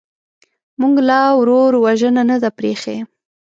موږ لا ورور وژنه نه ده پرېښې.